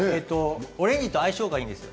オレンジと相性がいいです。